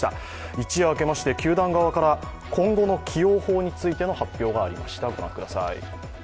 一夜明けまして、球団側から今後の起用法についての発表がありました。